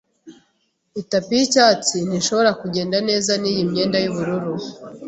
Itapi yicyatsi ntishobora kugenda neza niyi myenda yubururu